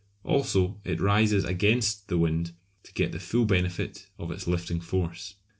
Also it rises against the wind to get the full benefit of its lifting force.